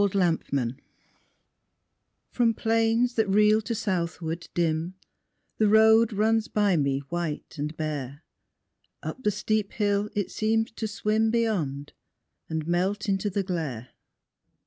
Dante HEAT From plains that reel to southward, dim, The road runs by me white and bare; Up the steep hill it seems to swim Beyond, and melt into the glare.